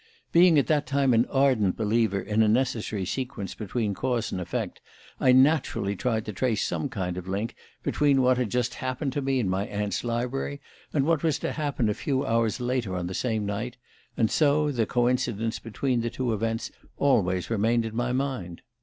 Being at that time an ardent believer in a necessary sequence between cause and effect I naturally tried to trace some kind of link between what had just happened to me in my aunt's library, and what was to happen a few hours later on the same night; and so the coincidence between the two events always remained in my mind.